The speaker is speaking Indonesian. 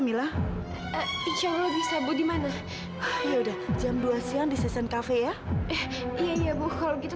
mila insya allah bisa bu dimana ya udah jam dua siang di sesen cafe ya iya iya bu kalau gitu